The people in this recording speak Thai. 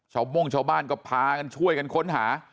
โม่งชาวบ้านก็พากันช่วยกันค้นหา